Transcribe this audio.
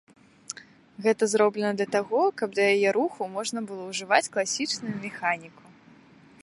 Гэта зроблена для таго, каб да яе руху можна было ўжываць класічную механіку.